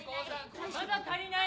まだ足りない！？